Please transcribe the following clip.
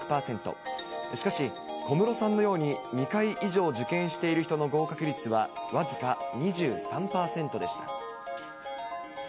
しかし、小室さんのように２回以上受験している人の合格率は僅か２３％でした。